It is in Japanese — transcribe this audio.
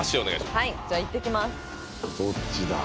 はいじゃあ行ってきますどっちだ？